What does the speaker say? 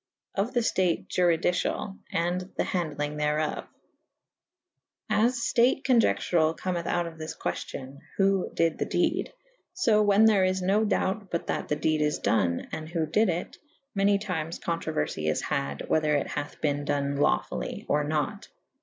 Of the ftate iuridiciall / and the handelynge therof. As ftate coniecturall cometh out of this queftyon (who dyd the dede) fo whan there is no dout*^ but that the dede is done / and who dyd it / many tymes controuerfy is had / whether it hathe bene done laufuUy or nat.